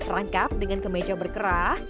rangkap dengan kemecah berkerah